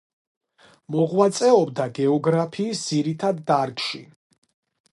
მოღვაწეობდა გეოგრაფიის ყველა ძირითად დარგში.